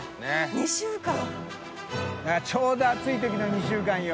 ちょうど暑いときの２週間よ。